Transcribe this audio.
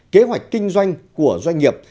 kế hoạch kinh doanh của doanh nghiệp